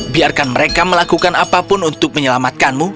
biarkan mereka melakukan apapun untuk menyelamatkanmu